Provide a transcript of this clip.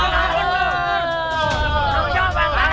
tunggu jawab pak rt